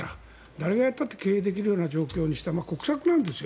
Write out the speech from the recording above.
誰がやったって経営できるような状況に国策なんですよ。